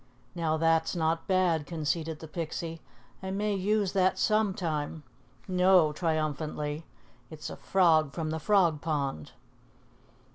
"Now, that's not bad," conceded the Pixie. "I may use that some time. No," triumphantly, "it's a frog from the Frog Pond."